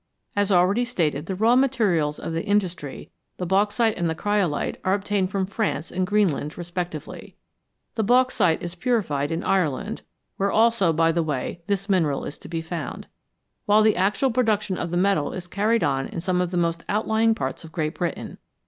As already stated, the raw materials of the industry, the bauxite and the cryolite, are obtained from France and Greenland respectively ; the bauxite is purified in Ireland (where also, by the way, this mineral is to be found), while the actual production of the metal is carried on in some of the most outlying parts of Great Britain.